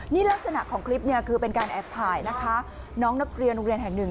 นี่ลักษณะของคลิปเนี่ยคือเป็นการแอบถ่ายนะคะน้องนักเรียนโรงเรียนแห่งหนึ่ง